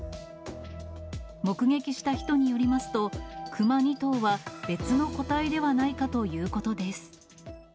目撃した人によりますと、クマ２頭は別の個体ではないかということです。